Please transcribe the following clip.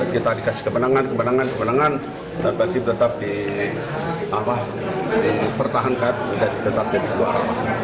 kita dikasih kemenangan kemenangan kemenangan dan persif tetap dipertahankan dan tetap dikeluarkan